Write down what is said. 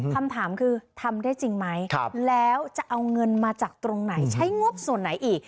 คำถามคือทำได้จริงไหมแล้วจะเอาเงินมาจากตรงไหนใช้งบส่วนไหนอีก